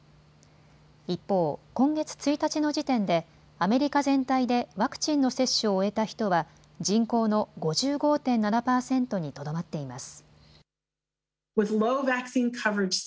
一方、今月１日の時点でアメリカ全体でワクチンの接種を終えた人は人口の５５．７％にとどまっています。